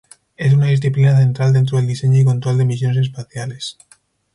Es una disciplina central dentro del diseño y control de misiones espaciales.